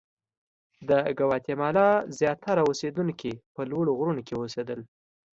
د ګواتیمالا زیاتره اوسېدونکي په لوړو غرونو کې اوسېدل.